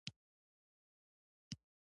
د غنمو ډوډۍ د افغانانو اصلي خوراک دی.